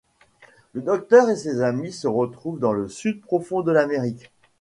Le Docteur et ses amis se retrouvent dans le Sud profond de l'Amérique.